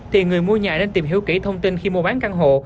thì người mua nhà nên tìm hiểu kỹ thông tin khi mua bán căn hộ